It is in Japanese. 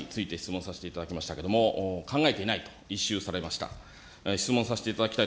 ＪＡの独占禁止法の一部適用除外について質問させていただきましたけれども、考えていないと一蹴されました。